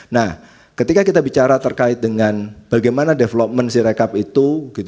nah ketika kita bicara terkait dengan bagaimana development sirekap itu